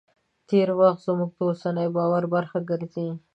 تېر وخت زموږ د اوسني باور برخه ګرځي.